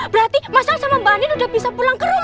berarti mas al sama mba andin udah bisa pulang ke rumah